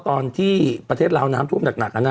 ตอนที่ประเทศลาวน้ำท่วมหนัก